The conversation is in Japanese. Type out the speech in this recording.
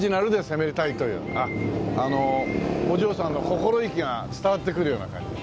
あのお嬢さんの心意気が伝わってくるような感じ。